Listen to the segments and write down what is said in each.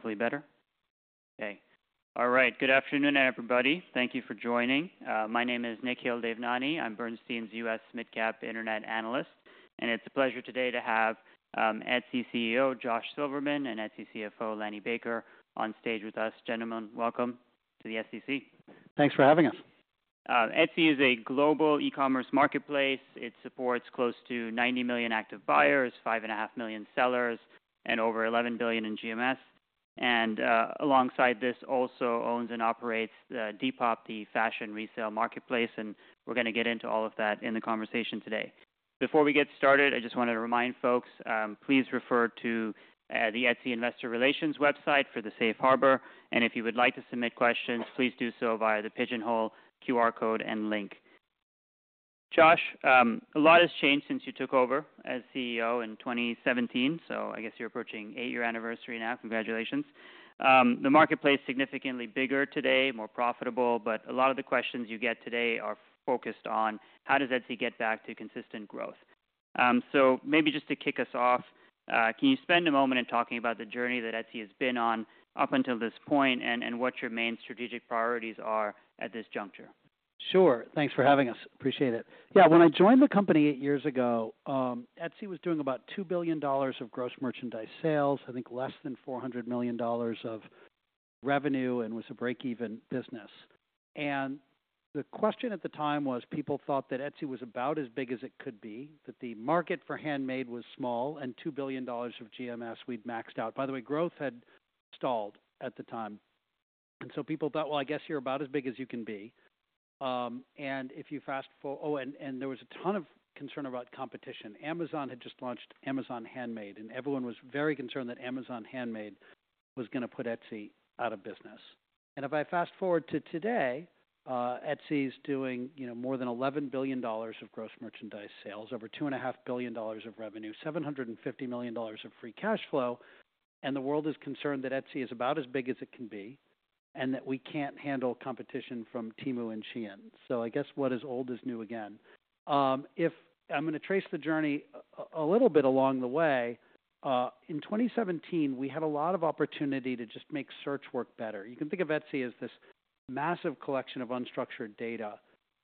Hopefully better? Okay. All right. Good afternoon, everybody. Thank you for joining. My name is Nikhil Devnani. I'm Bernstein's US Midcap Internet Analyst, and it's a pleasure today to have Etsy CEO Josh Silverman and Etsy CFO Lanny Baker on stage with us. Gentlemen, welcome to the Etsy. Thanks for having us. Etsy is a global e-commerce marketplace. It supports close to 90 million active buyers, five and a half million sellers, and over $11 billion in GMS. Alongside this, it also owns and operates Depop, the fashion resale marketplace. We're gonna get into all of that in the conversation today. Before we get started, I just wanted to remind folks, please refer to the Etsy Investor Relations website for the safe harbor. If you would like to submit questions, please do so via the pigeonhole QR code and link. Josh, a lot has changed since you took over as CEO in 2017, so I guess you're approaching eight-year anniversary now. Congratulations. The marketplace is significantly bigger today, more profitable, but a lot of the questions you get today are focused on how does Etsy get back to consistent growth. So maybe just to kick us off, can you spend a moment in talking about the journey that Etsy has been on up until this point, and what your main strategic priorities are at this juncture? Sure. Thanks for having us. Appreciate it. Yeah. When I joined the company eight years ago, Etsy was doing about $2 billion of gross merchandise sales, I think less than $400 million of revenue, and was a break-even business. The question at the time was, people thought that Etsy was about as big as it could be, that the market for handmade was small, and $2 billion of GMS we'd maxed out. By the way, growth had stalled at the time. People thought, well, I guess you're about as big as you can be. If you fast for—oh, and, and there was a ton of concern about competition. Amazon had just launched Amazon Handmade, and everyone was very concerned that Amazon Handmade was gonna put Etsy out of business. If I fast forward to today, Etsy's doing, you know, more than $11 billion of gross merchandise sales, over $2.5 billion of revenue, $750 million of free cash flow, and the world is concerned that Etsy is about as big as it can be and that we can't handle competition from Temu and Shein. I guess what is old is new again. If I'm gonna trace the journey a little bit along the way, in 2017, we had a lot of opportunity to just make search work better. You can think of Etsy as this massive collection of unstructured data,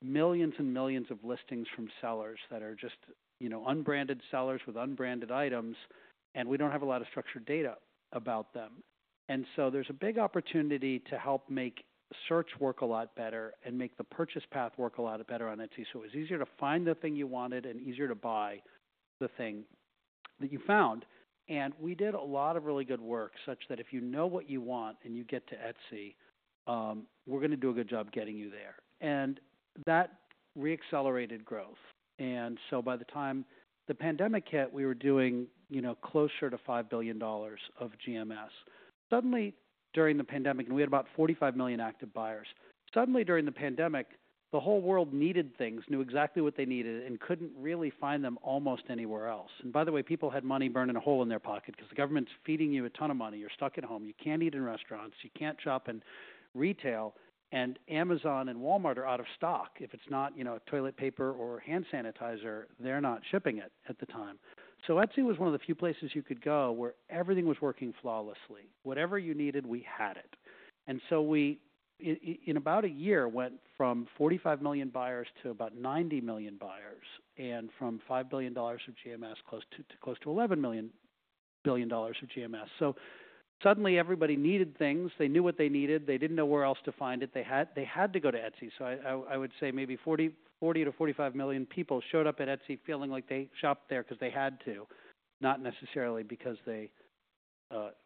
millions and millions of listings from sellers that are just, you know, unbranded sellers with unbranded items, and we don't have a lot of structured data about them. There is a big opportunity to help make search work a lot better and make the purchase path work a lot better on Etsy. It was easier to find the thing you wanted and easier to buy the thing that you found. We did a lot of really good work such that if you know what you want and you get to Etsy, we're gonna do a good job getting you there. That re-accelerated growth. By the time the pandemic hit, we were doing, you know, closer to $5 billion of GMS. Suddenly, during the pandemic, and we had about 45 million active buyers, suddenly during the pandemic, the whole world needed things, knew exactly what they needed, and couldn't really find them almost anywhere else. By the way, people had money burning a hole in their pocket 'cause the government's feeding you a ton of money. You're stuck at home. You can't eat in restaurants. You can't shop in retail. Amazon and Walmart are out of stock. If it's not, you know, toilet paper or hand sanitizer, they're not shipping it at the time. Etsy was one of the few places you could go where everything was working flawlessly. Whatever you needed, we had it. We, in about a year, went from 45 million buyers to about 90 million buyers and from $5 billion of GMS to close to $11 billion of GMS. Suddenly everybody needed things. They knew what they needed. They didn't know where else to find it. They had to go to Etsy. I would say maybe 40-45 million people showed up at Etsy feeling like they shopped there 'cause they had to, not necessarily because they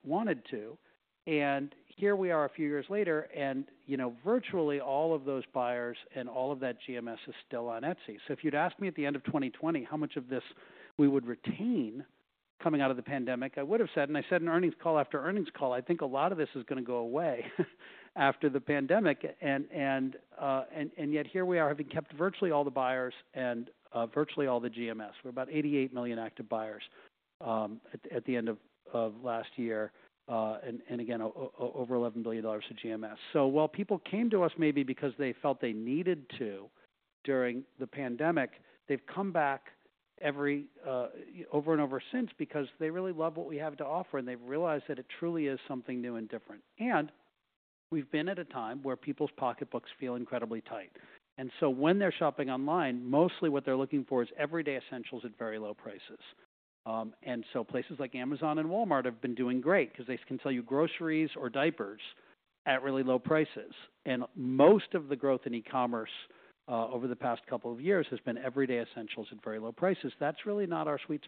wanted to. Here we are a few years later, and, you know, virtually all of those buyers and all of that GMS is still on Etsy. If you'd asked me at the end of 2020 how much of this we would retain coming out of the pandemic, I would've said, and I said in earnings call after earnings call, I think a lot of this is gonna go away after the pandemic. Yet here we are having kept virtually all the buyers and virtually all the GMS. We're about 88 million active buyers at the end of last year, and again, over $11 billion of GMS. While people came to us maybe because they felt they needed to during the pandemic, they've come back every, over and over since because they really love what we have to offer, and they've realized that it truly is something new and different. We've been at a time where people's pocketbooks feel incredibly tight. When they're shopping online, mostly what they're looking for is everyday essentials at very low prices. Places like Amazon and Walmart have been doing great 'cause they can sell you groceries or diapers at really low prices. Most of the growth in e-commerce over the past couple of years has been everyday essentials at very low prices. That's really not our sweet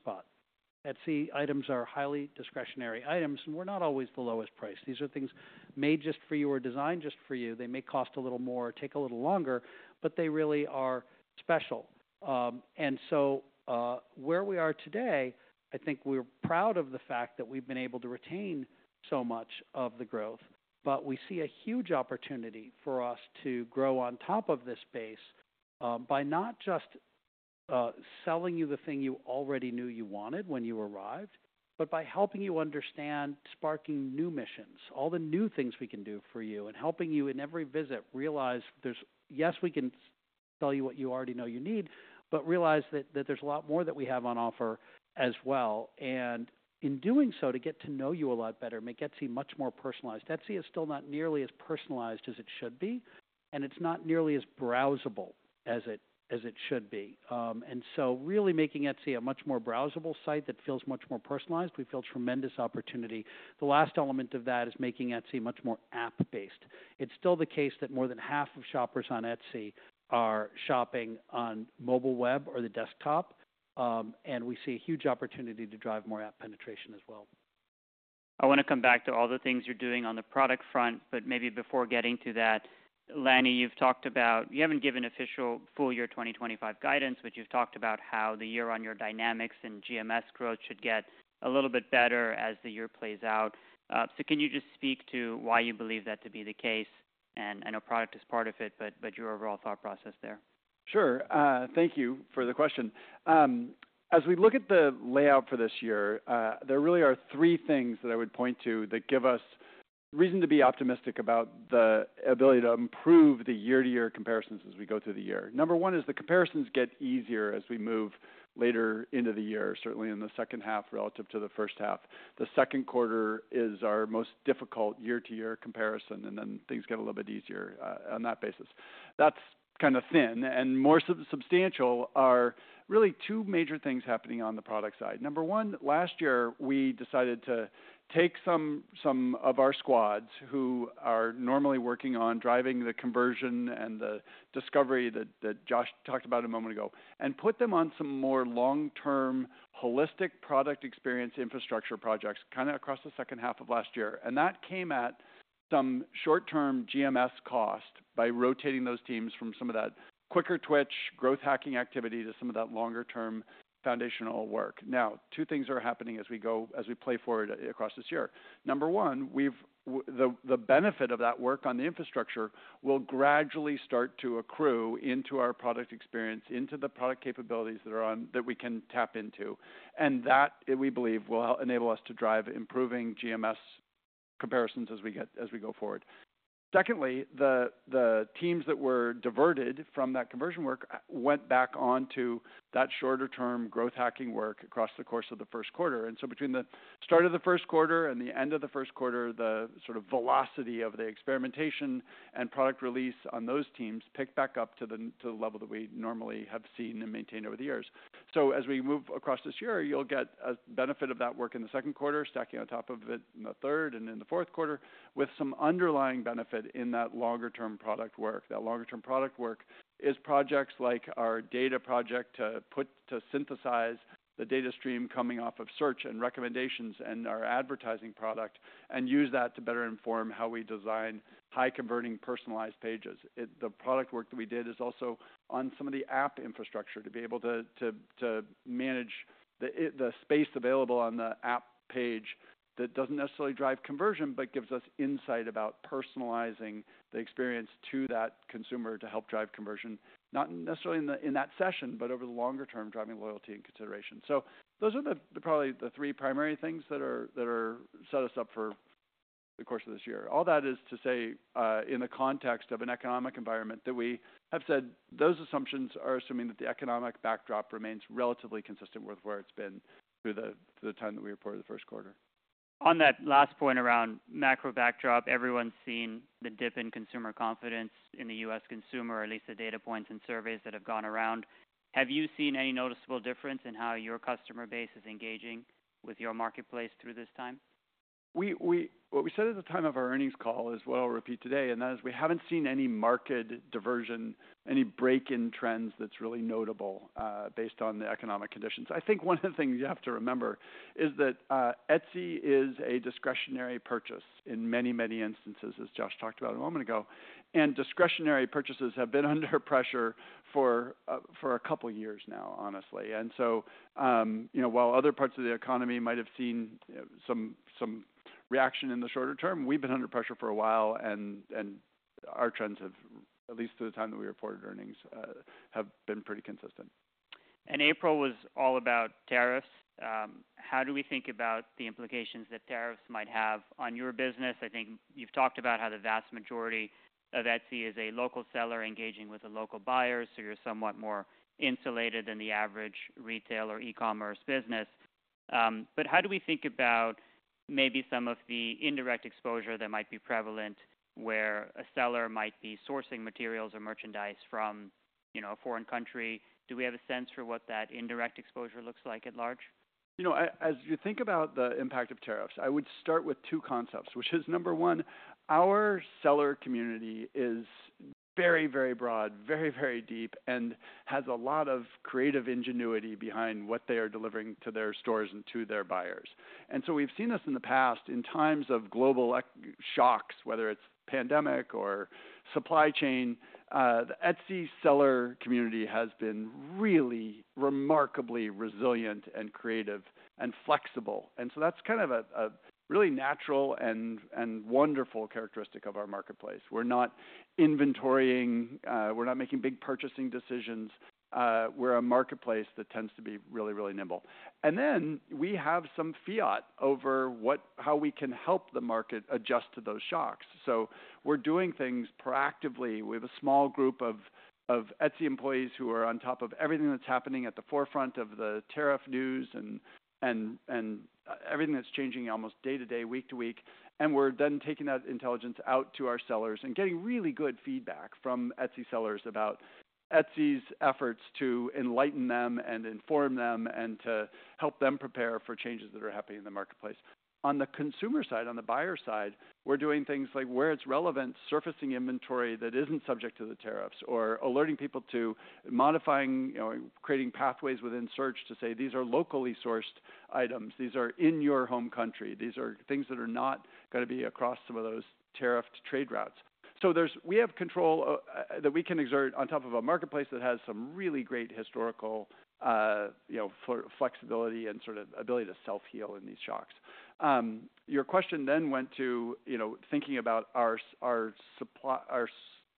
spot. Etsy items are highly discretionary items, and we're not always the lowest price. These are things made just for you or designed just for you. They may cost a little more, take a little longer, but they really are special. Where we are today, I think we're proud of the fact that we've been able to retain so much of the growth, but we see a huge opportunity for us to grow on top of this base, by not just selling you the thing you already knew you wanted when you arrived, but by helping you understand, sparking new missions, all the new things we can do for you, and helping you in every visit realize there's, yes, we can sell you what you already know you need, but realize that there's a lot more that we have on offer as well. In doing so, to get to know you a lot better, make Etsy much more personalized. Etsy is still not nearly as personalized as it should be, and it's not nearly as browsable as it should be. Really making Etsy a much more browsable site that feels much more personalized, we feel tremendous opportunity. The last element of that is making Etsy much more app-based. It's still the case that more than half of shoppers on Etsy are shopping on mobile web or the desktop, and we see a huge opportunity to drive more app penetration as well. I wanna come back to all the things you're doing on the product front, but maybe before getting to that, Lanny, you've talked about you haven't given official full year 2025 guidance, but you've talked about how the year on year dynamics and GMS growth should get a little bit better as the year plays out. Can you just speak to why you believe that to be the case? I know product is part of it, but your overall thought process there. Sure. Thank you for the question. As we look at the layout for this year, there really are three things that I would point to that give us reason to be optimistic about the ability to improve the year-to-year comparisons as we go through the year. Number one is the comparisons get easier as we move later into the year, certainly in the second half relative to the first half. The second quarter is our most difficult year-to-year comparison, and then things get a little bit easier, on that basis. That's kinda thin. And more substantial are really two major things happening on the product side. Number one, last year we decided to take some of our squads who are normally working on driving the conversion and the discovery that Josh talked about a moment ago and put them on some more long-term holistic product experience infrastructure projects across the second half of last year. That came at some short-term GMS cost by rotating those teams from some of that quicker twitch growth hacking activity to some of that longer-term foundational work. Now, two things are happening as we play forward across this year. Number one, the benefit of that work on the infrastructure will gradually start to accrue into our product experience, into the product capabilities that we can tap into. That, we believe, will help enable us to drive improving GMS comparisons as we go forward. Secondly, the teams that were diverted from that conversion work went back onto that shorter-term growth hacking work across the course of the first quarter. Between the start of the first quarter and the end of the first quarter, the sort of velocity of the experimentation and product release on those teams picked back up to the level that we normally have seen and maintained over the years. As we move across this year, you'll get a benefit of that work in the second quarter, stacking on top of it in the third and in the fourth quarter with some underlying benefit in that longer-term product work. That longer-term product work is projects like our data project to synthesize the data stream coming off of search and recommendations and our advertising product and use that to better inform how we design high-converting personalized pages. The product work that we did is also on some of the app infrastructure to be able to manage the space available on the app page that does not necessarily drive conversion but gives us insight about personalizing the experience to that consumer to help drive conversion, not necessarily in that session, but over the longer term, driving loyalty and consideration. Those are probably the three primary things that set us up for the course of this year. All that is to say, in the context of an economic environment that we have said those assumptions are assuming that the economic backdrop remains relatively consistent with where it's been through the time that we reported the first quarter. On that last point around macro backdrop, everyone's seen the dip in consumer confidence in the U.S. consumer, at least the data points and surveys that have gone around. Have you seen any noticeable difference in how your customer base is engaging with your marketplace through this time? What we said at the time of our earnings call is what I'll repeat today, and that is we haven't seen any market diversion, any break-in trends that's really notable, based on the economic conditions. I think one of the things you have to remember is that Etsy is a discretionary purchase in many, many instances, as Josh talked about a moment ago. And discretionary purchases have been under pressure for a couple years now, honestly. You know, while other parts of the economy might have seen, you know, some reaction in the shorter term, we've been under pressure for a while, and our trends have, at least through the time that we reported earnings, been pretty consistent. April was all about tariffs. How do we think about the implications that tariffs might have on your business? I think you've talked about how the vast majority of Etsy is a local seller engaging with a local buyer, so you're somewhat more insulated than the average retail or e-commerce business. How do we think about maybe some of the indirect exposure that might be prevalent where a seller might be sourcing materials or merchandise from, you know, a foreign country? Do we have a sense for what that indirect exposure looks like at large? You know, as you think about the impact of tariffs, I would start with two concepts, which is number one, our seller community is very, very broad, very, very deep, and has a lot of creative ingenuity behind what they are delivering to their stores and to their buyers. And we've seen this in the past in times of global e-shocks, whether it's pandemic or supply chain. The Etsy seller community has been really remarkably resilient and creative and flexible. That's kind of a really natural and wonderful characteristic of our marketplace. We're not inventorying, we're not making big purchasing decisions. We're a marketplace that tends to be really, really nimble. We have some fiat over how we can help the market adjust to those shocks. We're doing things proactively. We have a small group of Etsy employees who are on top of everything that's happening at the forefront of the tariff news and everything that's changing almost day to day, week to week. We're then taking that intelligence out to our sellers and getting really good feedback from Etsy sellers about Etsy's efforts to enlighten them and inform them and to help them prepare for changes that are happening in the marketplace. On the consumer side, on the buyer side, we're doing things like where it's relevant, surfacing inventory that isn't subject to the tariffs or alerting people to modifying, you know, creating pathways within search to say, these are locally sourced items. These are in your home country. These are things that are not gonna be across some of those tariffed trade routes. There's, we have control that we can exert on top of a marketplace that has some really great historical, you know, flexibility and sort of ability to self-heal in these shocks. Your question then went to, you know, thinking about our supply,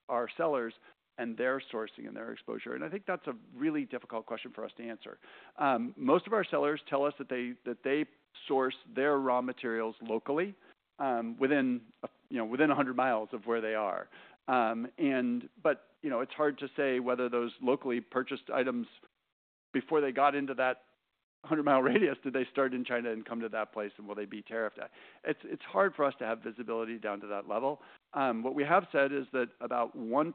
our sellers and their sourcing and their exposure. I think that's a really difficult question for us to answer. Most of our sellers tell us that they source their raw materials locally, within a, you know, within 100 mi of where they are. You know, it's hard to say whether those locally purchased items, before they got into that 100 mi radius, did they start in China and come to that place, and will they be tariffed at? It's hard for us to have visibility down to that level. What we have said is that about 1%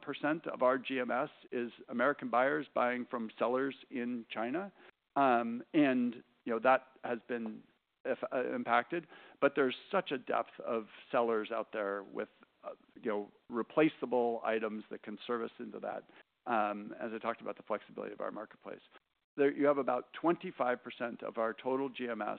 of our GMS is American buyers buying from sellers in China. You know, that has been, if, impacted, but there's such a depth of sellers out there with, you know, replaceable items that can service into that. As I talked about, the flexibility of our marketplace, there you have about 25% of our total GMS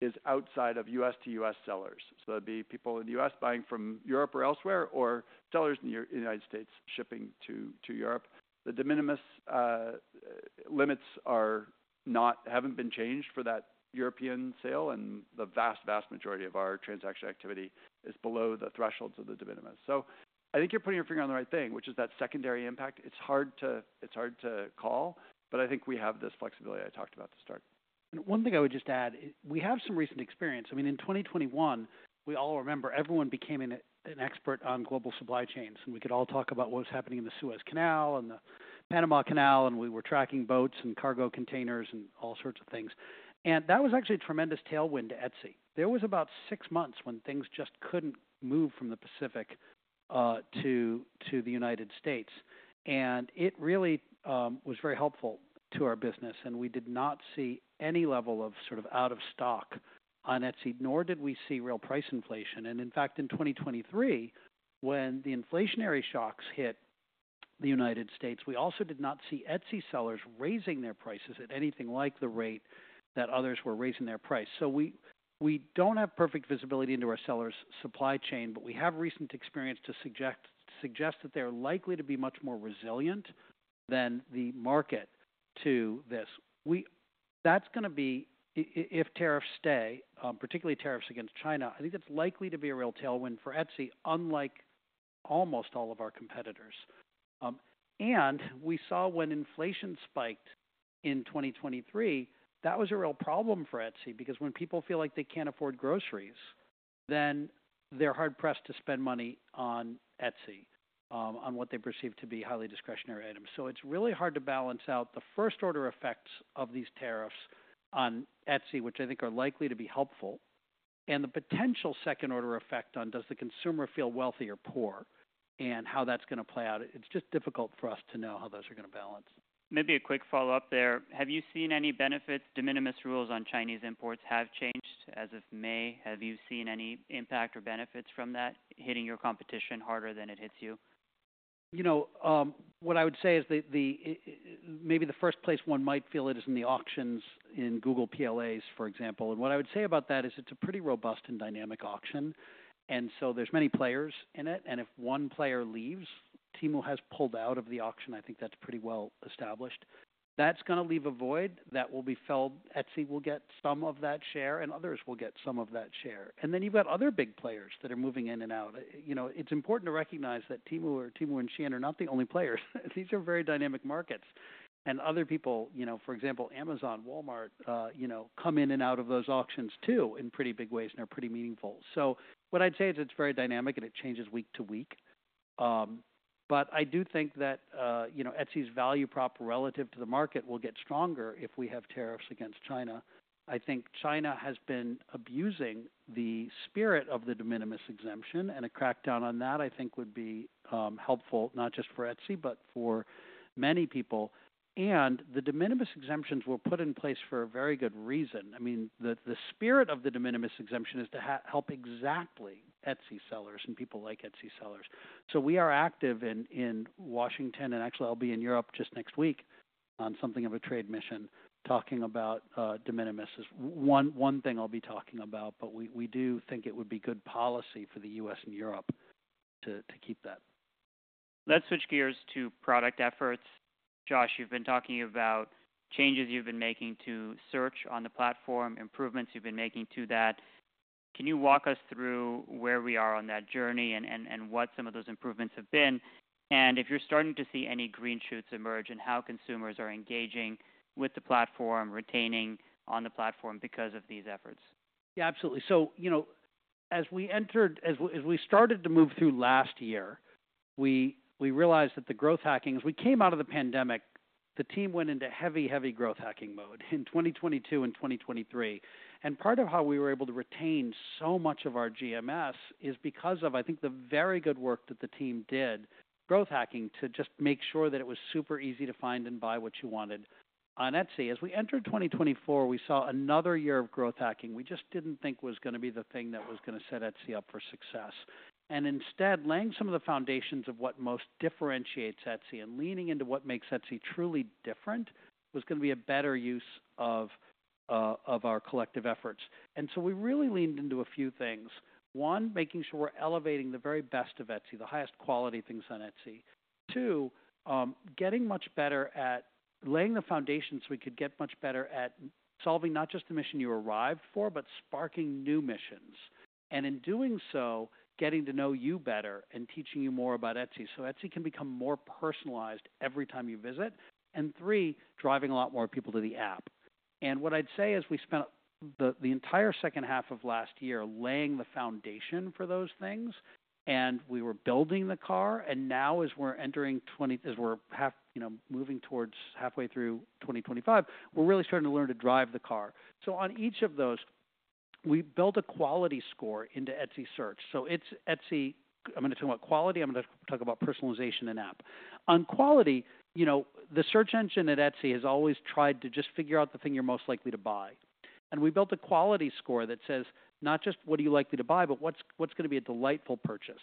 is outside of U.S. to U.S. sellers. That would be people in the U.S. buying from Europe or elsewhere, or sellers in the United States shipping to Europe. The de minimis limits are not, haven't been changed for that European sale, and the vast, vast majority of our transaction activity is below the thresholds of the de minimis. I think you're putting your finger on the right thing, which is that secondary impact. It's hard to, it's hard to call, but I think we have this flexibility I talked about to start. One thing I would just add is we have some recent experience. I mean, in 2021, we all remember everyone became an expert on global supply chains, and we could all talk about what was happening in the Suez Canal and the Panama Canal, and we were tracking boats and cargo containers and all sorts of things. That was actually a tremendous tailwind to Etsy. There was about six months when things just could not move from the Pacific to the United States. It really was very helpful to our business, and we did not see any level of sort of out of stock on Etsy, nor did we see real price inflation. In fact, in 2023, when the inflationary shocks hit the U.S., we also did not see Etsy sellers raising their prices at anything like the rate that others were raising their price. We do not have perfect visibility into our sellers' supply chain, but we have recent experience to suggest that they are likely to be much more resilient than the market to this. That is going to be, if tariffs stay, particularly tariffs against China, I think that is likely to be a real tailwind for Etsy, unlike almost all of our competitors. We saw when inflation spiked in 2023, that was a real problem for Etsy because when people feel like they cannot afford groceries, then they are hard-pressed to spend money on Etsy, on what they perceive to be highly discretionary items. It's really hard to balance out the first-order effects of these tariffs on Etsy, which I think are likely to be helpful, and the potential second-order effect on does the consumer feel wealthy or poor and how that's gonna play out. It's just difficult for us to know how those are gonna balance. Maybe a quick follow-up there. Have you seen any benefits? De minimis rules on Chinese imports have changed as of May. Have you seen any impact or benefits from that hitting your competition harder than it hits you? You know, what I would say is the, maybe the first place one might feel it is in the auctions in Google PLAs, for example. And what I would say about that is it's a pretty robust and dynamic auction. There are many players in it. If one player leaves, Temu has pulled out of the auction. I think that's pretty well established. That's gonna leave a void that will be filled. Etsy will get some of that share, and others will get some of that share. Then you've got other big players that are moving in and out. You know, it's important to recognize that Temu or Temu and Shein are not the only players. These are very dynamic markets. Other people, you know, for example, Amazon, Walmart, you know, come in and out of those auctions too in pretty big ways, and they're pretty meaningful. What I'd say is it's very dynamic, and it changes week to week. I do think that, you know, Etsy's value prop relative to the market will get stronger if we have tariffs against China. I think China has been abusing the spirit of the de minimis exemption, and a crackdown on that I think would be helpful not just for Etsy, but for many people. The de minimis exemptions were put in place for a very good reason. I mean, the spirit of the de minimis exemption is to help exactly Etsy sellers and people like Etsy sellers. We are active in Washington, and actually I'll be in Europe just next week on something of a trade mission talking about de minimis as one thing I'll be talking about, but we do think it would be good policy for the U.S. and Europe to keep that. Let's switch gears to product efforts. Josh, you've been talking about changes you've been making to search on the platform, improvements you've been making to that. Can you walk us through where we are on that journey and what some of those improvements have been? If you're starting to see any green shoots emerge and how consumers are engaging with the platform, retaining on the platform because of these efforts? Yeah, absolutely. You know, as we entered, as we started to move through last year, we realized that the growth hackings, we came out of the pandemic, the team went into heavy, heavy growth hacking mode in 2022 and 2023. Part of how we were able to retain so much of our GMS is because of, I think, the very good work that the team did, growth hacking to just make sure that it was super easy to find and buy what you wanted on Etsy. As we entered 2024, we saw another year of growth hacking. We just didn't think was gonna be the thing that was gonna set Etsy up for success. Instead, laying some of the foundations of what most differentiates Etsy and leaning into what makes Etsy truly different was gonna be a better use of our collective efforts. We really leaned into a few things. One, making sure we're elevating the very best of Etsy, the highest quality things on Etsy. Two, getting much better at laying the foundations so we could get much better at solving not just the mission you arrived for, but sparking new missions. In doing so, getting to know you better and teaching you more about Etsy so Etsy can become more personalized every time you visit. Three, driving a lot more people to the app. What I'd say is we spent the entire second half of last year laying the foundation for those things, and we were building the car. Now as we're entering 2024, as we're moving towards halfway through 2025, we're really starting to learn to drive the car. On each of those, we built a quality score into Etsy search. It is Etsy, I am gonna talk about quality, I am gonna talk about personalization and app. On quality, you know, the search engine at Etsy has always tried to just figure out the thing you are most likely to buy. We built a quality score that says not just what are you likely to buy, but what is gonna be a delightful purchase.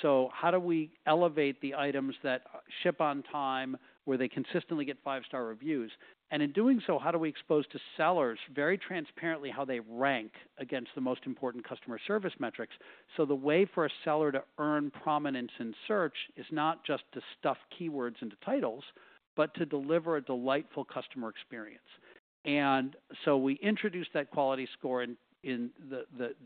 How do we elevate the items that ship on time where they consistently get five-star reviews? In doing so, how do we expose to sellers very transparently how they rank against the most important customer service metrics? The way for a seller to earn prominence in search is not just to stuff keywords into titles, but to deliver a delightful customer experience. We introduced that quality score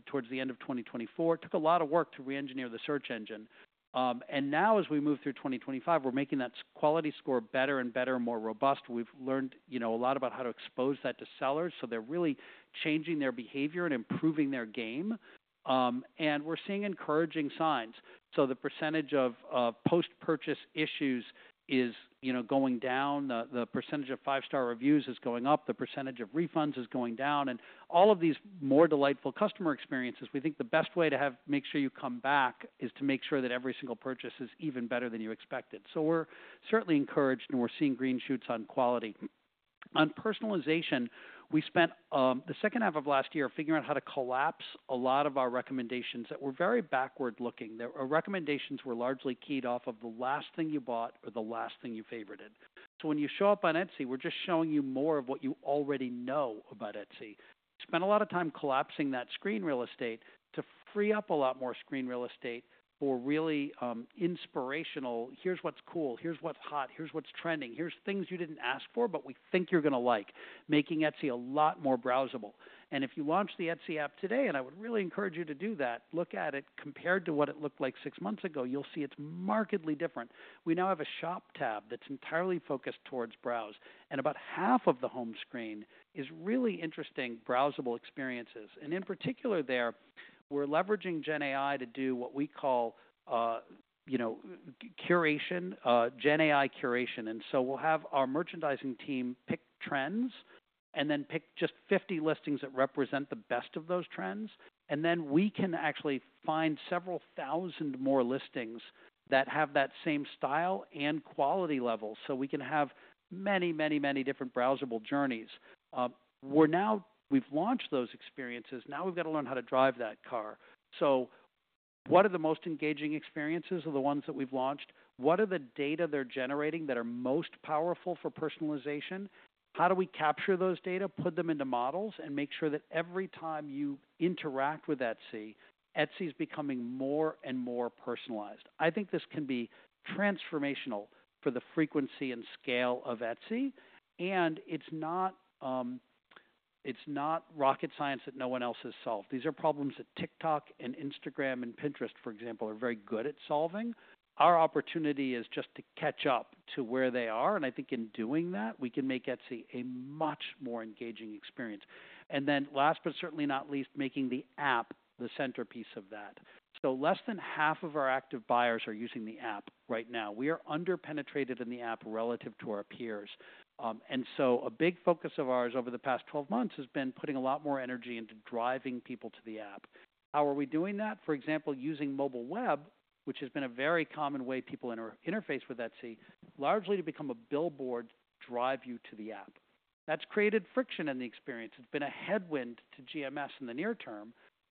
towards the end of 2024. It took a lot of work to re-engineer the search engine, and now as we move through 2025, we're making that quality score better and better and more robust. We've learned, you know, a lot about how to expose that to sellers. They're really changing their behavior and improving their game, and we're seeing encouraging signs. The percentage of post-purchase issues is, you know, going down. The percentage of five-star reviews is going up. The percentage of refunds is going down. All of these more delightful customer experiences, we think the best way to make sure you come back is to make sure that every single purchase is even better than you expected. We're certainly encouraged, and we're seeing green shoots on quality. On personalization, we spent the second half of last year figuring out how to collapse a lot of our recommendations that were very backward-looking. Our recommendations were largely keyed off of the last thing you bought or the last thing you favorited. When you show up on Etsy, we're just showing you more of what you already know about Etsy. We spent a lot of time collapsing that screen real estate to free up a lot more screen real estate for really inspirational, here's what's cool, here's what's hot, here's what's trending, here's things you didn't ask for, but we think you're gonna like, making Etsy a lot more browsable. If you launch the Etsy app today, and I would really encourage you to do that, look at it compared to what it looked like six months ago, you'll see it's markedly different. We now have a shop tab that's entirely focused towards browse, and about half of the home screen is really interesting browsable experiences. In particular there, we're leveraging Gen AI to do what we call, you know, curation, Gen AI curation. We'll have our merchandising team pick trends and then pick just 50 listings that represent the best of those trends. Then we can actually find several thousand more listings that have that same style and quality level. We can have many, many, many different browsable journeys. We're now, we've launched those experiences. Now we've gotta learn how to drive that car. What are the most engaging experiences of the ones that we've launched? What are the data they're generating that are most powerful for personalization? How do we capture those data, put them into models, and make sure that every time you interact with Etsy, Etsy's becoming more and more personalized? I think this can be transformational for the frequency and scale of Etsy. It's not rocket science that no one else has solved. These are problems that TikTok and Instagram and Pinterest, for example, are very good at solving. Our opportunity is just to catch up to where they are. I think in doing that, we can make Etsy a much more engaging experience. Last but certainly not least, making the app the centerpiece of that. Less than half of our active buyers are using the app right now. We are underpenetrated in the app relative to our peers. A big focus of ours over the past 12 months has been putting a lot more energy into driving people to the app. How are we doing that? For example, using mobile web, which has been a very common way people interface with Etsy, largely to become a billboard to drive you to the app. That has created friction in the experience. It has been a headwind to GMS in the near term,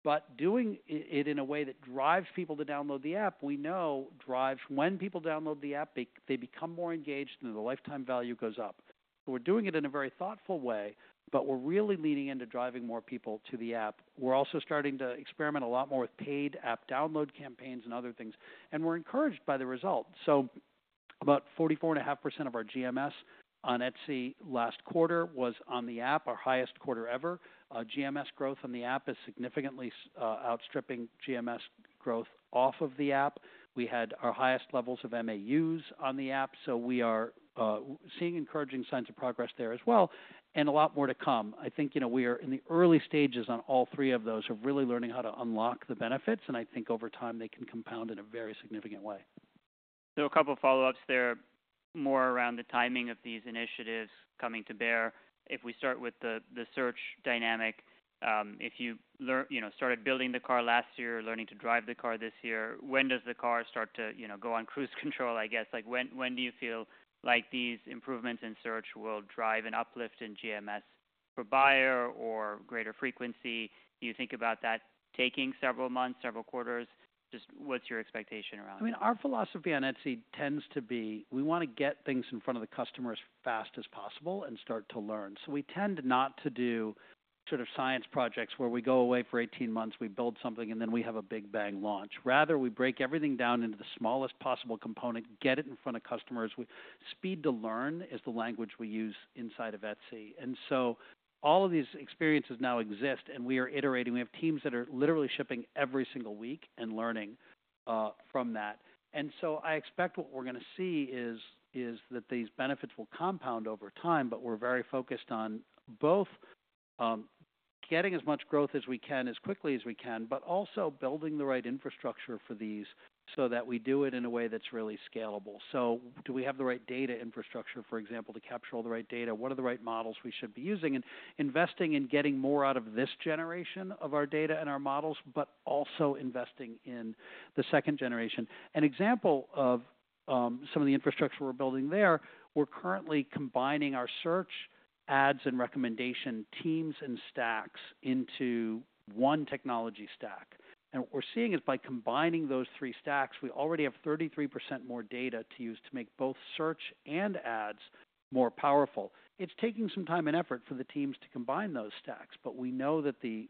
but doing it in a way that drives people to download the app, we know when people download the app, they become more engaged and the lifetime value goes up. We are doing it in a very thoughtful way, but we are really leaning into driving more people to the app. We are also starting to experiment a lot more with paid app download campaigns and other things, and we are encouraged by the result. About 44.5% of our GMS on Etsy last quarter was on the app, our highest quarter ever. GMS growth on the app is significantly outstripping GMS growth off of the app. We had our highest levels of MAUs on the app. We are seeing encouraging signs of progress there as well and a lot more to come. I think, you know, we are in the early stages on all three of those, are really learning how to unlock the benefits, and I think over time they can compound in a very significant way. A couple of follow-ups there, more around the timing of these initiatives coming to bear. If we start with the, the search dynamic, if you learn, you know, started building the car last year, learning to drive the car this year, when does the car start to, you know, go on cruise control, I guess? Like when, when do you feel like these improvements in search will drive an uplift in GMS for buyer or greater frequency? Do you think about that taking several months, several quarters? Just what's your expectation around that? I mean, our philosophy on Etsy tends to be, we wanna get things in front of the customers as fast as possible and start to learn. We tend not to do sort of science projects where we go away for 18 months, we build something, and then we have a big bang launch. Rather, we break everything down into the smallest possible component, get it in front of customers. Speed to learn is the language we use inside of Etsy. All of these experiences now exist, and we are iterating. We have teams that are literally shipping every single week and learning from that. I expect what we're gonna see is that these benefits will compound over time, but we're very focused on both getting as much growth as we can as quickly as we can, but also building the right infrastructure for these so that we do it in a way that's really scalable. Do we have the right data infrastructure, for example, to capture all the right data? What are the right models we should be using? Investing in getting more out of this generation of our data and our models, but also investing in the second generation. An example of some of the infrastructure we're building there, we're currently combining our search, ads, and recommendation teams and stacks into one technology stack. What we're seeing is by combining those three stacks, we already have 33% more data to use to make both search and ads more powerful. It's taking some time and effort for the teams to combine those stacks, but we know that the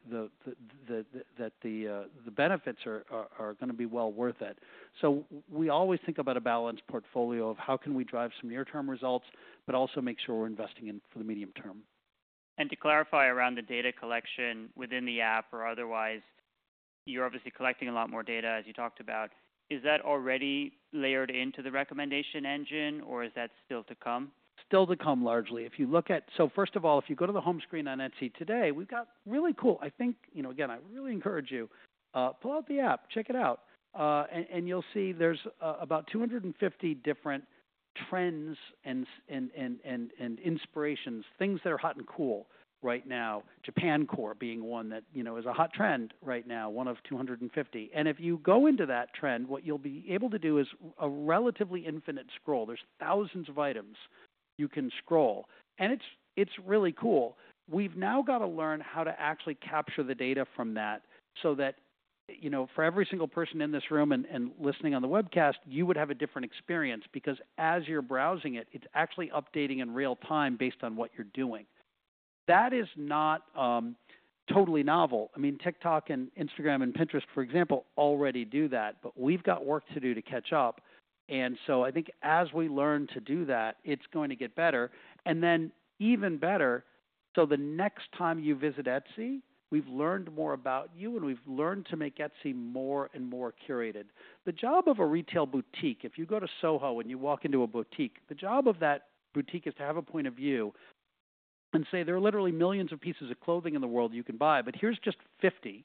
benefits are gonna be well worth it. We always think about a balanced portfolio of how can we drive some near-term results, but also make sure we're investing in for the medium term. To clarify around the data collection within the app or otherwise, you're obviously collecting a lot more data, as you talked about. Is that already layered into the recommendation engine, or is that still to come? Still to come largely. If you look at, so first of all, if you go to the home screen on Etsy today, we've got really cool, I think, you know, again, I really encourage you, pull out the app, check it out, and you'll see there's about 250 different trends and inspirations, things that are hot and cool right now. Japan Core being one that, you know, is a hot trend right now, one of 250. If you go into that trend, what you'll be able to do is a relatively infinite scroll. There's thousands of items you can scroll. And it's really cool. We've now gotta learn how to actually capture the data from that so that, you know, for every single person in this room and listening on the webcast, you would have a different experience because as you're browsing it, it's actually updating in real time based on what you're doing. That is not totally novel. I mean, TikTok and Instagram and Pinterest, for example, already do that, but we've got work to do to catch up. I think as we learn to do that, it's going to get better and then even better. The next time you visit Etsy, we've learned more about you and we've learned to make Etsy more and more curated. The job of a retail boutique, if you go to Soho and you walk into a boutique, the job of that boutique is to have a point of view and say there are literally millions of pieces of clothing in the world you can buy, but here's just 50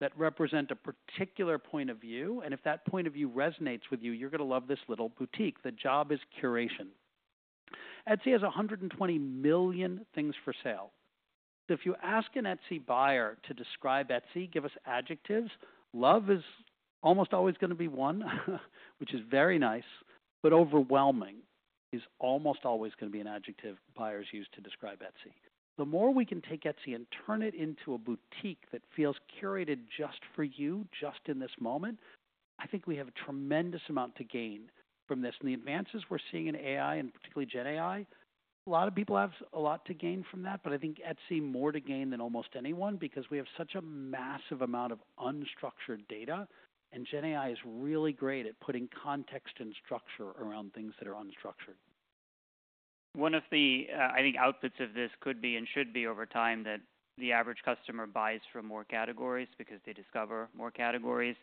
that represent a particular point of view. If that point of view resonates with you, you're gonna love this little boutique. The job is curation. Etsy has 120 million things for sale. If you ask an Etsy buyer to describe Etsy, give us adjectives, love is almost always gonna be one, which is very nice, but overwhelming is almost always gonna be an adjective buyers use to describe Etsy. The more we can take Etsy and turn it into a boutique that feels curated just for you, just in this moment, I think we have a tremendous amount to gain from this. The advances we're seeing in AI and particularly Gen AI, a lot of people have a lot to gain from that, but I think Etsy more to gain than almost anyone because we have such a massive amount of unstructured data. Gen AI is really great at putting context and structure around things that are unstructured. One of the, I think, upshots of this could be and should be over time that the average customer buys from more categories because they discover more categories.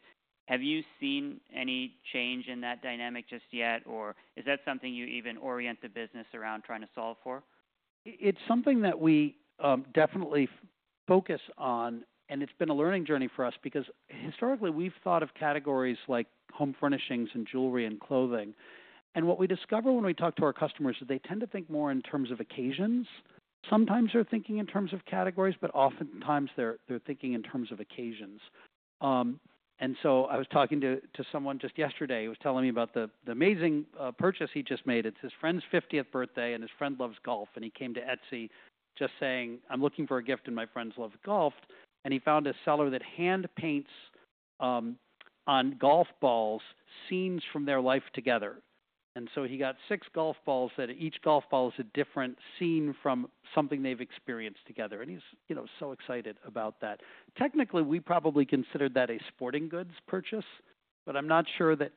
Have you seen any change in that dynamic just yet, or is that something you even orient the business around trying to solve for? It's something that we definitely focus on, and it's been a learning journey for us because historically we've thought of categories like home furnishings and jewelry and clothing. What we discover when we talk to our customers is they tend to think more in terms of occasions. Sometimes they're thinking in terms of categories, but oftentimes they're thinking in terms of occasions. I was talking to someone just yesterday, he was telling me about the amazing purchase he just made. It's his friend's 50th birthday and his friend loves golf. He came to Etsy just saying, "I'm looking for a gift and my friends love golf." He found a seller that hand paints on golf balls scenes from their life together. He got six golf balls that each golf ball is a different scene from something they've experienced together. He's, you know, so excited about that. Technically, we probably considered that a sporting goods purchase, but I'm not sure that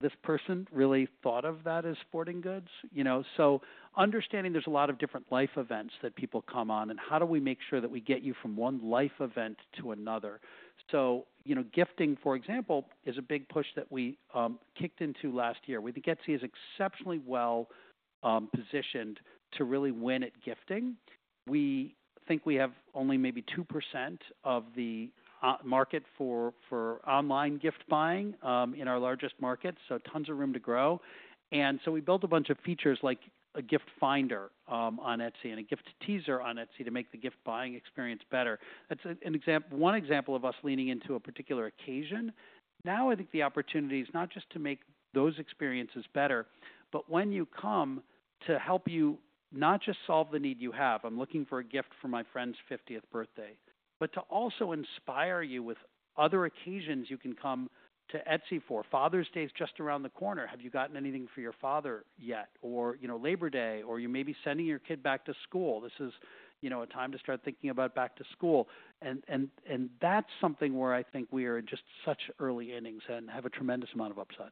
this person really thought of that as sporting goods, you know? Understanding there's a lot of different life events that people come on and how do we make sure that we get you from one life event to another. You know, gifting, for example, is a big push that we kicked into last year. We think Etsy is exceptionally well positioned to really win at gifting. We think we have only maybe 2% of the market for online gift buying in our largest market. Tons of room to grow. We built a bunch of features like a gift finder on Etsy and a gift teaser on Etsy to make the gift buying experience better. That's an example, one example of us leaning into a particular occasion. Now I think the opportunity is not just to make those experiences better, but when you come to help you not just solve the need you have, I'm looking for a gift for my friend's 50th birthday, but to also inspire you with other occasions you can come to Etsy for. Father's Day is just around the corner. Have you gotten anything for your father yet? Or, you know, Labor Day, or you may be sending your kid back to school. This is, you know, a time to start thinking about back to school. And that's something where I think we are just such early innings and have a tremendous amount of upside.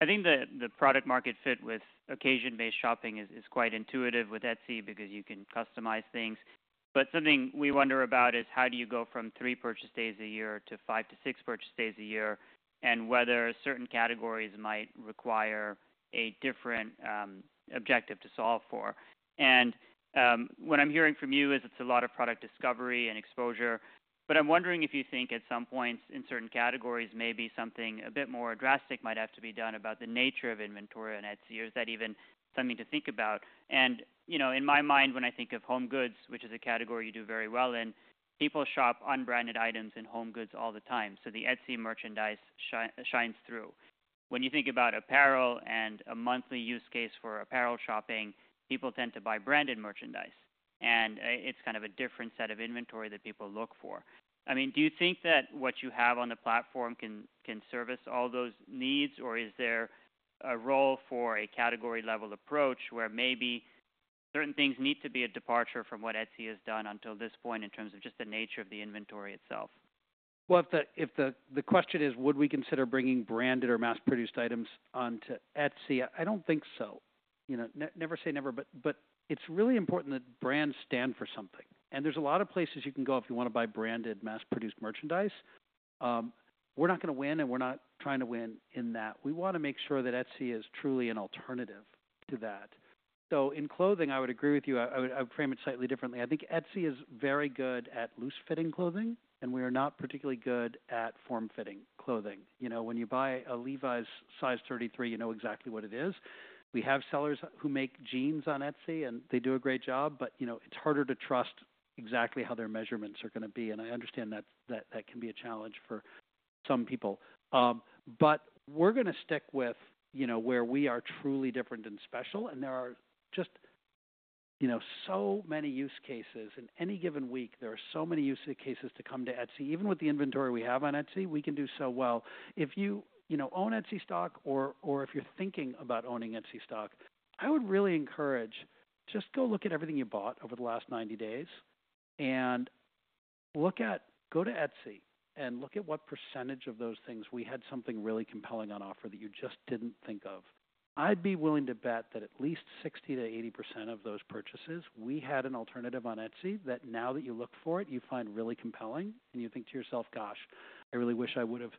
I think that the product market fit with occasion-based shopping is quite intuitive with Etsy because you can customize things. Something we wonder about is how do you go from three purchase days a year to five to six purchase days a year and whether certain categories might require a different objective to solve for. What I'm hearing from you is it's a lot of product discovery and exposure, but I'm wondering if you think at some points in certain categories maybe something a bit more drastic might have to be done about the nature of inventory on Etsy. Is that even something to think about? You know, in my mind, when I think of home goods, which is a category you do very well in, people shop unbranded items in home goods all the time. The Etsy merchandise shines through. When you think about apparel and a monthly use case for apparel shopping, people tend to buy branded merchandise. It's kind of a different set of inventory that people look for. I mean, do you think that what you have on the platform can service all those needs, or is there a role for a category-level approach where maybe certain things need to be a departure from what Etsy has done until this point in terms of just the nature of the inventory itself? If the question is, would we consider bringing branded or mass-produced items onto Etsy? I don't think so. You know, never say never, but it's really important that brands stand for something. And there's a lot of places you can go if you wanna buy branded mass-produced merchandise. We're not gonna win and we're not trying to win in that. We wanna make sure that Etsy is truly an alternative to that. In clothing, I would agree with you. I would frame it slightly differently. I think Etsy is very good at loose-fitting clothing, and we are not particularly good at form-fitting clothing. You know, when you buy a Levi's size 33, you know exactly what it is. We have sellers who make jeans on Etsy, and they do a great job, but, you know, it's harder to trust exactly how their measurements are gonna be. I understand that can be a challenge for some people. We're gonna stick with, you know, where we are truly different and special. There are just, you know, so many use cases in any given week. There are so many use cases to come to Etsy. Even with the inventory we have on Etsy, we can do so well. If you, you know, own Etsy stock or, or if you're thinking about owning Etsy stock, I would really encourage just go look at everything you bought over the last 90 days and look at, go to Etsy and look at what percentage of those things we had something really compelling on offer that you just didn't think of. I'd be willing to bet that at least 60-80% of those purchases, we had an alternative on Etsy that now that you look for it, you find really compelling and you think to yourself, gosh, I really wish I would've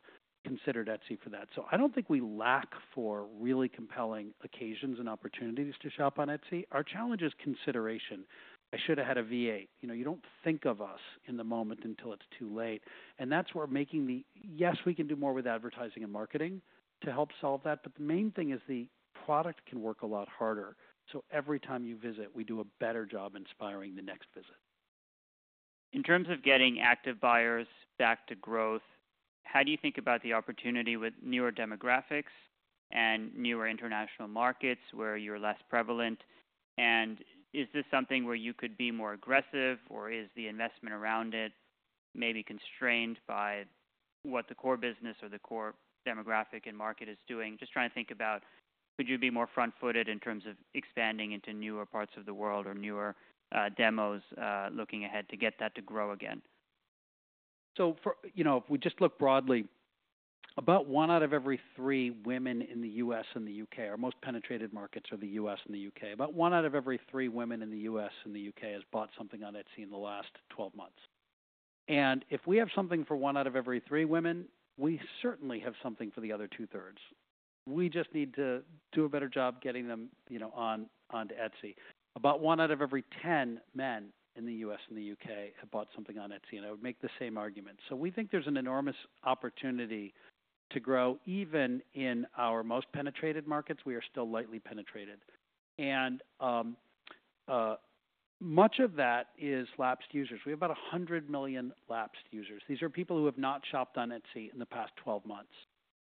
considered Etsy for that. I don't think we lack for really compelling occasions and opportunities to shop on Etsy. Our challenge is consideration. I should have had a VA. You know, you don't think of us in the moment until it's too late. That's where making the, yes, we can do more with advertising and marketing to help solve that. The main thing is the product can work a lot harder. Every time you visit, we do a better job inspiring the next visit. In terms of getting active buyers back to growth, how do you think about the opportunity with newer demographics and newer international markets where you're less prevalent? Is this something where you could be more aggressive, or is the investment around it maybe constrained by what the core business or the core demographic and market is doing? Just trying to think about, could you be more front-footed in terms of expanding into newer parts of the world or newer demos, looking ahead to get that to grow again? If we just look broadly, about one out of every three women in the U.S. and the U.K., our most penetrated markets are the U.S. and the U.K., about one out of every three women in the U.S. and the U.K. has bought something on Etsy in the last 12 months. If we have something for one out of every three women, we certainly have something for the other two-thirds. We just need to do a better job getting them, you know, on, onto Etsy. About one out of every 10 men in the U.S. and the U.K. have bought something on Etsy. I would make the same argument. We think there's an enormous opportunity to grow even in our most penetrated markets. We are still lightly penetrated. Much of that is lapsed users. We have about 100 million lapsed users. These are people who have not shopped on Etsy in the past 12 months,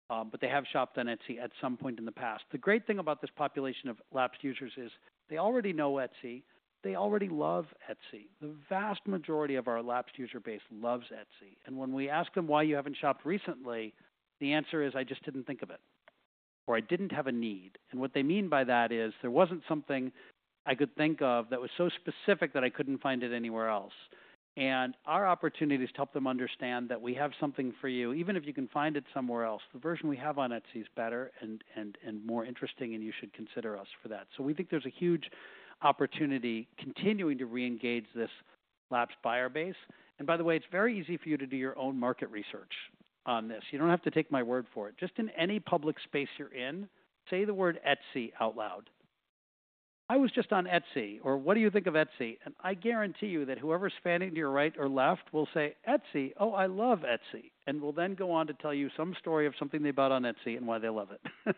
but they have shopped on Etsy at some point in the past. The great thing about this population of lapsed users is they already know Etsy. They already love Etsy. The vast majority of our lapsed user base loves Etsy. When we ask them why you have not shopped recently, the answer is, "I just did not think of it," or, "I did not have a need." What they mean by that is there was not something I could think of that was so specific that I could not find it anywhere else. Our opportunity is to help them understand that we have something for you, even if you can find it somewhere else. The version we have on Etsy is better and more interesting, and you should consider us for that. We think there's a huge opportunity continuing to re-engage this lapsed buyer base. By the way, it's very easy for you to do your own market research on this. You don't have to take my word for it. Just in any public space you're in, say the word Etsy out loud. I was just on Etsy, or what do you think of Etsy? I guarantee you that whoever's standing to your right or left will say, "Etsy, oh, I love Etsy," and will then go on to tell you some story of something they bought on Etsy and why they love it.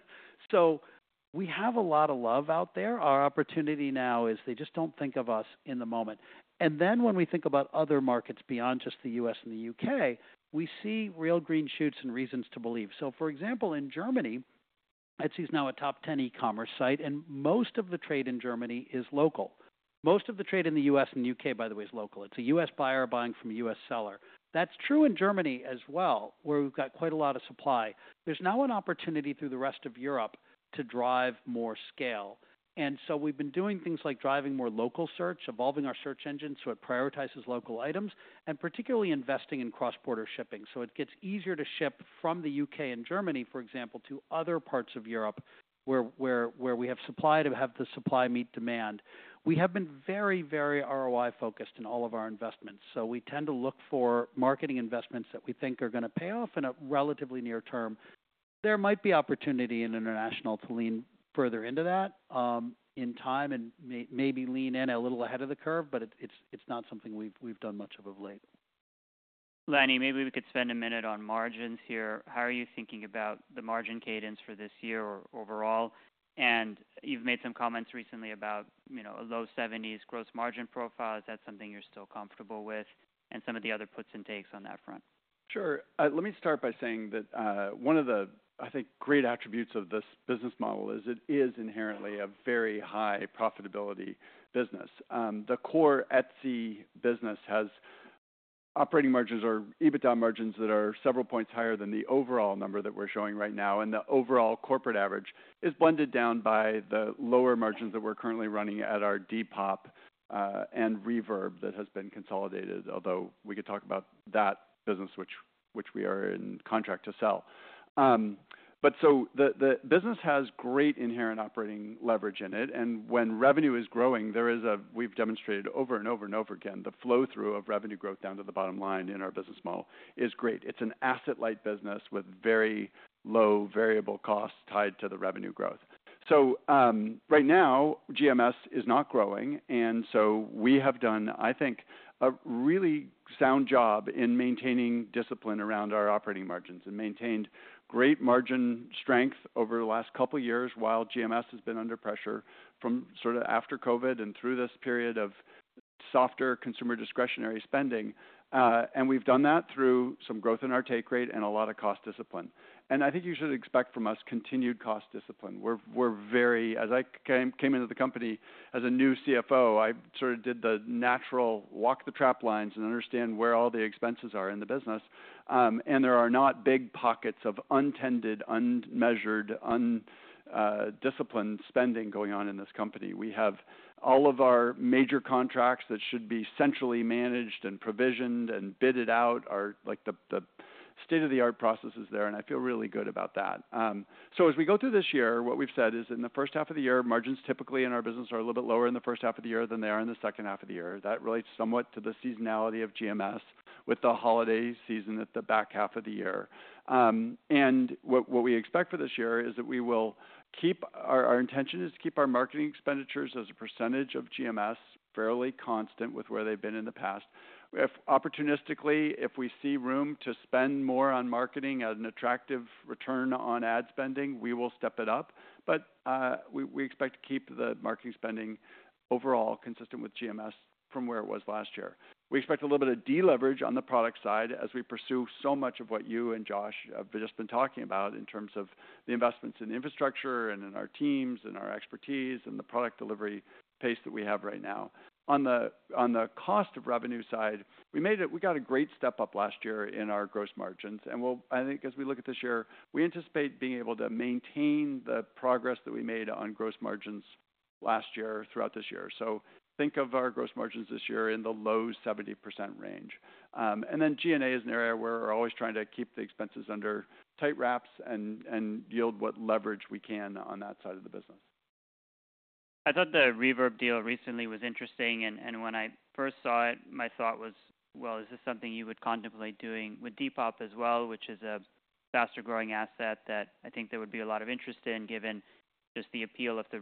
We have a lot of love out there. Our opportunity now is they just don't think of us in the moment. When we think about other markets beyond just the U.S. and the U.K., we see real green shoots and reasons to believe. For example, in Germany, Etsy is now a top 10 e-commerce site, and most of the trade in Germany is local. Most of the trade in the U.S. and the U.K., by the way, is local. It is a U.S. buyer buying from a U.S. seller. That is true in Germany as well, where we have quite a lot of supply. There is now an opportunity through the rest of Europe to drive more scale. We have been doing things like driving more local search, evolving our search engine so it prioritizes local items, and particularly investing in cross-border shipping. It gets easier to ship from the U.K. and Germany, for example, to other parts of Europe where we have supply to have the supply meet demand. We have been very, very ROI-focused in all of our investments. We tend to look for marketing investments that we think are gonna pay off in a relatively near term. There might be opportunity in international to lean further into that in time and maybe lean in a little ahead of the curve, but it's not something we've done much of of late. Lanny, maybe we could spend a minute on margins here. How are you thinking about the margin cadence for this year or overall? You have made some comments recently about, you know, a low 70s gross margin profile. Is that something you're still comfortable with? Some of the other puts and takes on that front. Sure. Let me start by saying that, one of the, I think, great attributes of this business model is it is inherently a very high profitability business. The core Etsy business has operating margins or EBITDA margins that are several points higher than the overall number that we're showing right now. The overall corporate average is blended down by the lower margins that we're currently running at our Depop, and Reverb that has been consolidated, although we could talk about that business, which we are in contract to sell. The business has great inherent operating leverage in it. When revenue is growing, we have demonstrated over and over and over again, the flow-through of revenue growth down to the bottom line in our business model is great. It's an asset-light business with very low variable costs tied to the revenue growth. Right now, GMS is not growing. We have done, I think, a really sound job in maintaining discipline around our operating margins and maintained great margin strength over the last couple of years while GMS has been under pressure from sort of after COVID and through this period of softer consumer discretionary spending. We have done that through some growth in our take rate and a lot of cost discipline. I think you should expect from us continued cost discipline. We are very, as I came into the company as a new CFO, I sort of did the natural walk the trap lines and understand where all the expenses are in the business. There are not big pockets of untended, unmeasured, undisciplined spending going on in this company. We have all of our major contracts that should be centrally managed and provisioned and bidded out are like the state-of-the-art processes there. I feel really good about that. As we go through this year, what we've said is in the first half of the year, margins typically in our business are a little bit lower in the first half of the year than they are in the second half of the year. That relates somewhat to the seasonality of GMS with the holiday season at the back half of the year. What we expect for this year is that we will keep our, our intention is to keep our marketing expenditures as a percentage of GMS fairly constant with where they've been in the past. If opportunistically, if we see room to spend more on marketing at an attractive return on ad spending, we will step it up. We expect to keep the marketing spending overall consistent with GMS from where it was last year. We expect a little bit of deleverage on the product side as we pursue so much of what you and Josh have just been talking about in terms of the investments in infrastructure and in our teams and our expertise and the product delivery pace that we have right now. On the cost of revenue side, we got a great step up last year in our gross margins. I think as we look at this year, we anticipate being able to maintain the progress that we made on gross margins last year throughout this year. Think of our gross margins this year in the low 70% range. G&A is an area where we're always trying to keep the expenses under tight wraps and yield what leverage we can on that side of the business. I thought the Reverb deal recently was interesting. When I first saw it, my thought was, is this something you would contemplate doing with Depop as well, which is a faster-growing asset that I think there would be a lot of interest in given just the appeal of the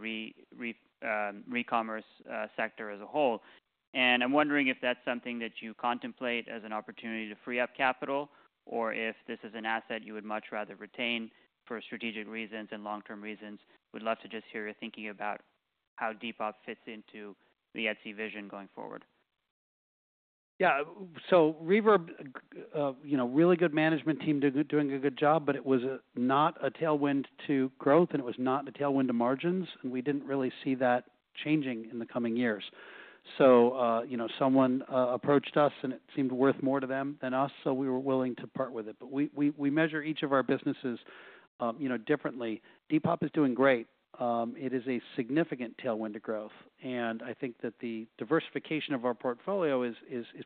re-commerce sector as a whole. I'm wondering if that's something that you contemplate as an opportunity to free up capital or if this is an asset you would much rather retain for strategic reasons and long-term reasons. We'd love to just hear your thinking about how Depop fits into the Etsy vision going forward. Yeah. Reverb, you know, really good management team doing a good job, but it was not a tailwind to growth and it was not a tailwind to margins. We did not really see that changing in the coming years. You know, someone approached us and it seemed worth more to them than us. We were willing to part with it. We measure each of our businesses differently. Depop is doing great. It is a significant tailwind to growth. I think that the diversification of our portfolio is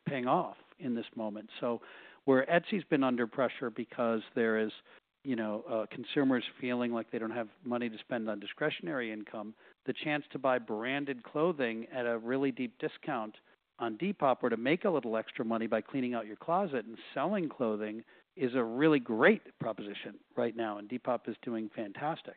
paying off in this moment. Where Etsy's been under pressure because there is, you know, consumers feeling like they don't have money to spend on discretionary income, the chance to buy branded clothing at a really deep discount on Depop or to make a little extra money by cleaning out your closet and selling clothing is a really great proposition right now. Depop is doing fantastic.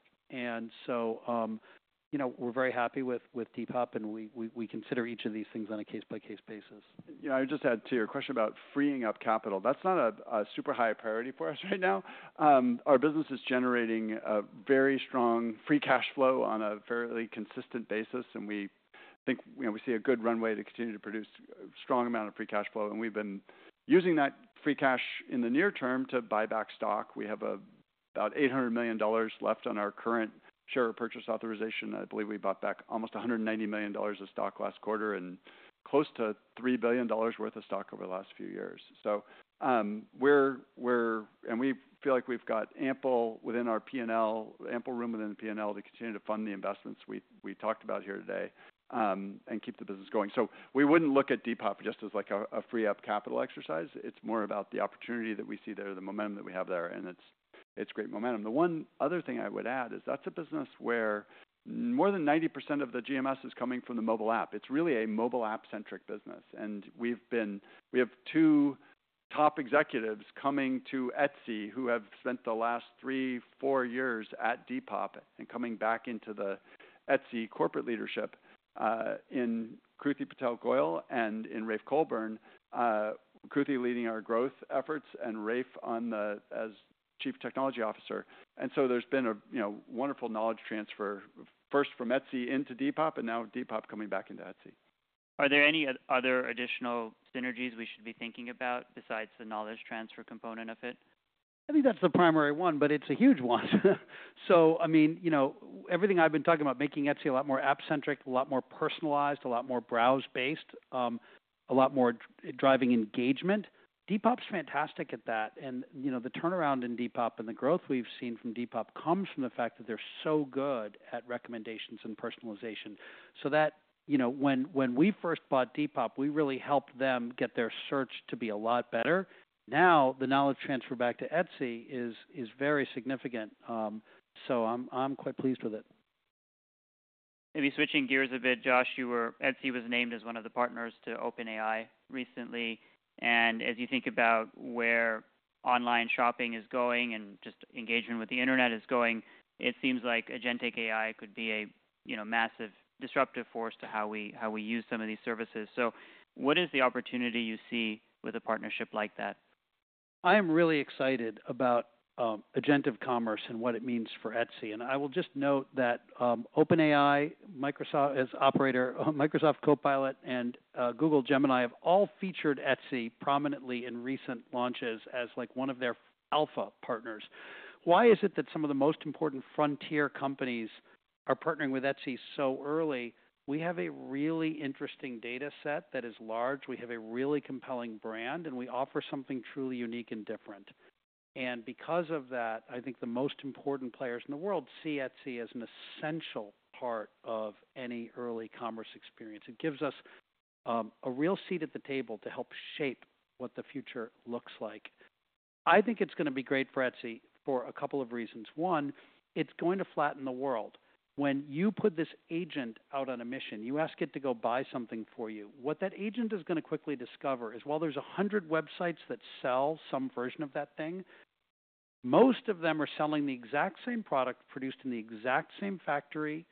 You know, we're very happy with Depop and we consider each of these things on a case-by-case basis. Yeah. I would just add to your question about freeing up capital. That's not a super high priority for us right now. Our business is generating a very strong free cash flow on a fairly consistent basis. And we think, you know, we see a good runway to continue to produce a strong amount of free cash flow. And we've been using that free cash in the near term to buy back stock. We have about $800 million left on our current share repurchase authorization. I believe we bought back almost $190 million of stock last quarter and close to $3 billion worth of stock over the last few years. We're, and we feel like we've got ample within our P&L, ample room within the P&L to continue to fund the investments we talked about here today, and keep the business going. We would not look at Depop just as like a free-up capital exercise. It is more about the opportunity that we see there, the momentum that we have there. It is great momentum. The one other thing I would add is that is a business where more than 90% of the GMS is coming from the mobile app. It is really a mobile app-centric business. We have two top executives coming to Etsy who have spent the last three, four years at Depop and are coming back into the Etsy corporate leadership, in Kruti Patel Goyal and in Rafe Colburn, Kruti leading our growth efforts and Rafe as Chief Technology Officer. There has been a wonderful knowledge transfer first from Etsy into Depop and now Depop coming back into Etsy. Are there any other additional synergies we should be thinking about besides the knowledge transfer component of it? I think that's the primary one, but it's a huge one. I mean, you know, everything I've been talking about, making Etsy a lot more app-centric, a lot more personalized, a lot more browse-based, a lot more driving engagement. Depop's fantastic at that. You know, the turnaround in Depop and the growth we've seen from Depop comes from the fact that they're so good at recommendations and personalization. When we first bought Depop, we really helped them get their search to be a lot better. Now the knowledge transfer back to Etsy is very significant. I'm quite pleased with it. Maybe switching gears a bit, Josh, you were, Etsy was named as one of the partners to OpenAI recently. And as you think about where online shopping is going and just engagement with the internet is going, it seems like Agentic AI could be a, you know, massive disruptive force to how we, how we use some of these services. So what is the opportunity you see with a partnership like that? I am really excited about Agentive Commerce and what it means for Etsy. I will just note that OpenAI, Microsoft as operator, Microsoft Copilot, and Google Gemini have all featured Etsy prominently in recent launches as like one of their alpha partners. Why is it that some of the most important frontier companies are partnering with Etsy so early? We have a really interesting data set that is large. We have a really compelling brand, and we offer something truly unique and different. Because of that, I think the most important players in the world see Etsy as an essential part of any early commerce experience. It gives us a real seat at the table to help shape what the future looks like. I think it's gonna be great for Etsy for a couple of reasons. One, it's going to flatten the world. When you put this agent out on a mission, you ask it to go buy something for you, what that agent is gonna quickly discover is while there's a hundred websites that sell some version of that thing, most of them are selling the exact same product produced in the exact same factory.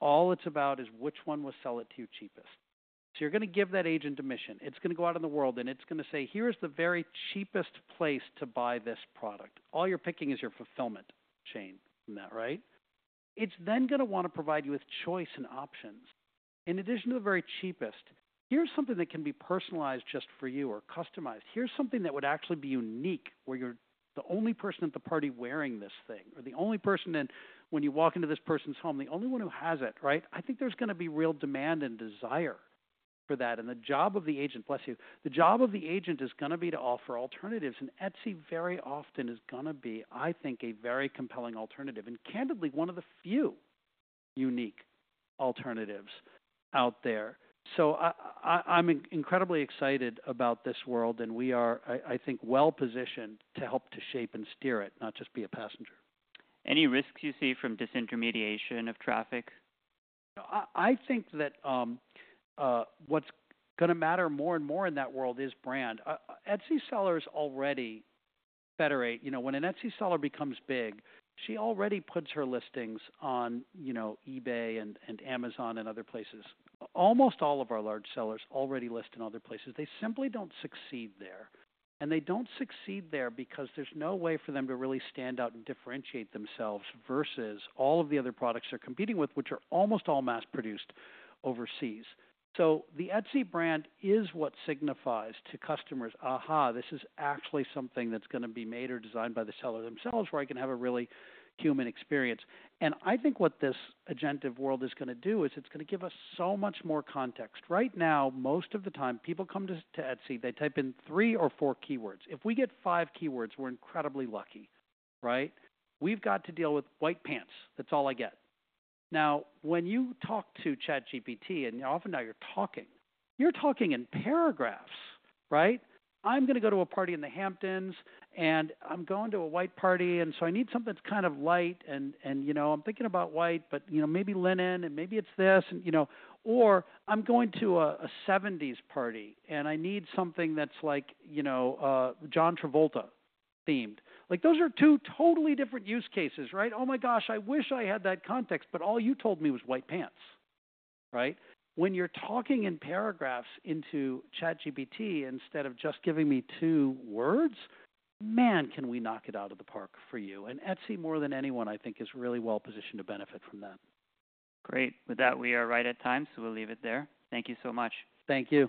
All it's about is which one will sell it to you cheapest. You're gonna give that agent a mission. It's gonna go out in the world and it's gonna say, here's the very cheapest place to buy this product. All you're picking is your fulfillment chain from that, right? It's then gonna wanna provide you with choice and options. In addition to the very cheapest, here's something that can be personalized just for you or customized. Here's something that would actually be unique where you're the only person at the party wearing this thing or the only person in, when you walk into this person's home, the only one who has it, right? I think there's gonna be real demand and desire for that. The job of the agent, bless you, the job of the agent is gonna be to offer alternatives. Etsy very often is gonna be, I think, a very compelling alternative and candidly one of the few unique alternatives out there. I, I'm incredibly excited about this world and we are, I think, well positioned to help to shape and steer it, not just be a passenger. Any risks you see from disintermediation of traffic? I think that what's gonna matter more and more in that world is brand. Etsy sellers already federate, you know, when an Etsy seller becomes big, she already puts her listings on, you know, eBay and Amazon and other places. Almost all of our large sellers already list in other places. They simply don't succeed there. They don't succeed there because there's no way for them to really stand out and differentiate themselves versus all of the other products they're competing with, which are almost all mass-produced overseas. The Etsy brand is what signifies to customers, aha, this is actually something that's gonna be made or designed by the seller themselves where I can have a really human experience. I think what this agentive world is gonna do is it's gonna give us so much more context. Right now, most of the time people come to, to Etsy, they type in three or four keywords. If we get five keywords, we're incredibly lucky, right? We've got to deal with white pants. That's all I get. Now, when you talk to ChatGPT and often now you're talking, you're talking in paragraphs, right? I'm gonna go to a party in the Hamptons and I'm going to a white party. And so I need something that's kind of light and, and, you know, I'm thinking about white, but, you know, maybe linen and maybe it's this and, you know, or I'm going to a, a 70s party and I need something that's like, you know, John Travolta themed. Like those are two totally different use cases, right? Oh my gosh, I wish I had that context, but all you told me was white pants, right? When you're talking in paragraphs into ChatGPT instead of just giving me two words, man, can we knock it out of the park for you? Etsy, more than anyone, I think is really well positioned to benefit from that. Great. With that, we are right at time, so we'll leave it there. Thank you so much. Thank you.